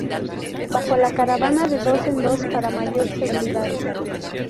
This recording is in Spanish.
Bajo la caravana de dos en dos, para mayor seguridad.